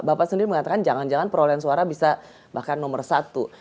bapak sendiri mengatakan jangan jangan perolehan suara bisa bahkan nomor satu